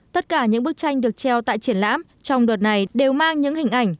tất cả những bức tranh được treo tại triển lãm trong đợt này đều mang những hình ảnh